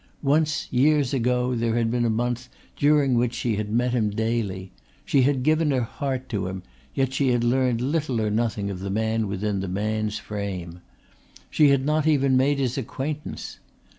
Once years ago there had been a month during which she had met him daily. She had given her heart to him, yet she had learned little or nothing of the man within the man's frame. She had not even made his acquaintance.